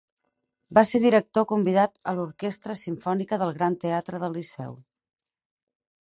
Va ser director convidat a l'Orquestra Simfònica del Gran Teatre del Liceu.